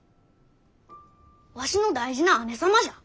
わしの大事な姉様じゃ。